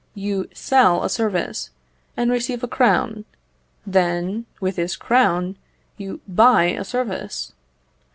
You sell a service, and receive a crown then, with this crown, you buy a service.